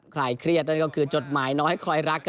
ใครเครียดนั่นก็คือจดหมายน้อยคอยรัก